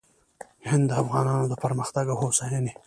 هند د افغانانو د پرمختګ او هوساینې